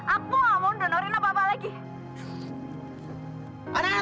aku nggak mau undur norina bapak lagi